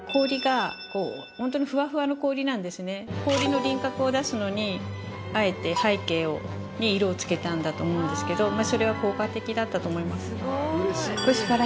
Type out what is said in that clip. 氷の輪郭を出すのにあえて背景に色をつけたんだと思うんですけどそれは効果的だったと思います。